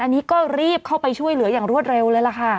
อันนี้ก็รีบเข้าไปช่วยเหลืออย่างรวดเร็วเลยล่ะค่ะ